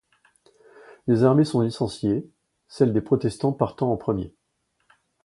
Les armées sont licenciées, celle des protestants partant en premier.